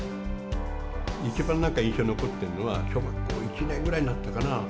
一番なんか、印象に残ってるのは、小学校１年ぐらいになってたかな、